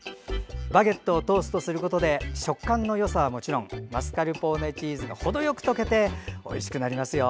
バゲットをトーストすることで食感のよさはもちろんマスカルポーネチーズがほどよく溶けておいしくなりますよ。